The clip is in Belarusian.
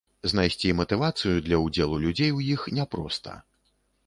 Знайсці матывацыю для ўдзелу людзей у іх няпроста.